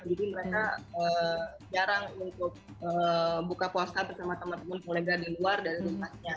jadi mereka jarang untuk buka puasa bersama teman teman kolega di luar dan rumahnya